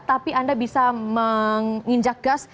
tapi anda bisa menginjak gas